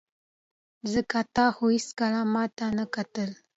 ځکه تا خو هېڅکله ماته نه کتل.